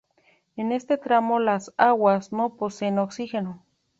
En este tramo las aguas no poseen oxígeno.